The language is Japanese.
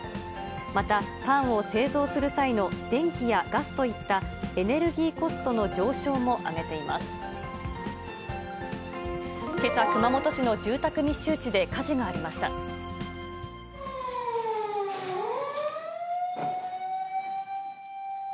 またパンを製造する際の電気やガスといったエネルギーコストの上けさ、熊本市の住宅密集地で火事がありました。